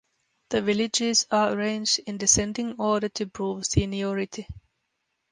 The villages are arranged in descending order to prove seniority.